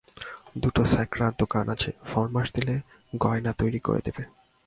দুটো স্যাকরার দোকান আছে, ফরমাশ দিলে গয়না তৈরি করে দেবে।